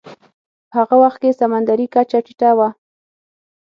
په هغه وخت کې سمندرې کچه ټیټه وه.